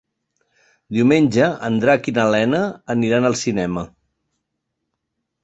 Diumenge en Drac i na Lena aniran al cinema.